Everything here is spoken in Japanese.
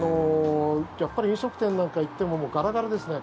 やっぱり飲食店なんか行ってもガラガラですね。